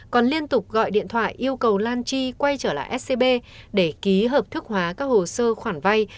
còn liên tục gọi điện thoại yêu cầu lan chi quay trở lại scb để ký hợp thức hóa các hồ sơ khoản vay